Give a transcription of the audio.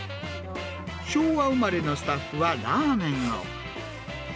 昭和生まれのスタッフはラーメンを。